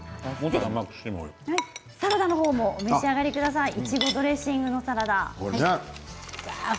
サラダの方もお召し上がりください。